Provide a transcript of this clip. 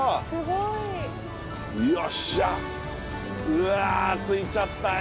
うわ着いちゃったよ